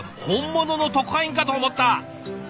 本物の特派員かと思った。